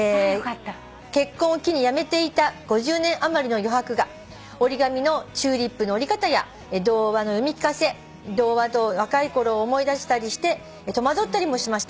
「結婚を機に辞めていた５０年余りの余白が折り紙のチューリップの折り方や童話の読み聞かせ童話と若いころを思い出したりして戸惑ったりもしました」